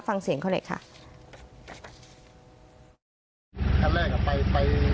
ฟังเสียงข้อเล็กค่ะ